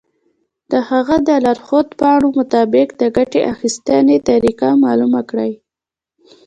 د هغه د لارښود پاڼو مطابق د ګټې اخیستنې طریقه معلومه کړئ.